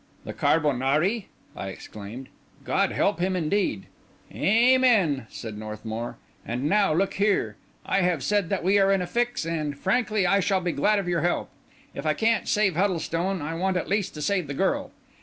"The carbonari!" I exclaimed; "God help him indeed!" "Amen!" said Northmour. "And now, look here: I have said that we are in a fix; and, frankly, I shall be glad of your help. If I can't save Huddlestone, I want at least to save the girl.